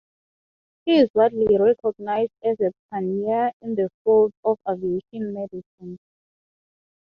He is widely recognized as a pioneer in the field of aviation medicine.